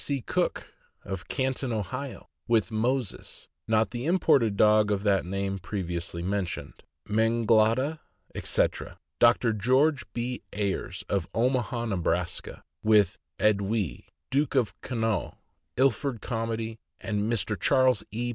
C. Cook, Canton, Ohio, with Moses (not the imported dog of that name previously mentioned), Menglada, etc.; Dr. George B. Ayres, of Omaha, Neb., with Edwy, Duke of Connaught, Ilford Comedy; Mr. Charles E.